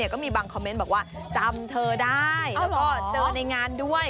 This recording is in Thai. ก็มีบางคอมเมนต์บอกว่าจำเธอได้แล้วก็เจอในงานด้วย